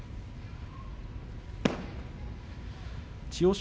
千代翔